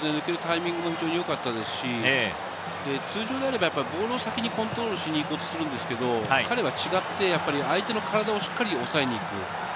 タイミングも非常によかったですし、通常であれば、ボールを先にコントロールしに行こうとするんですけど、彼は違って、相手の体をしっかり抑えに行く。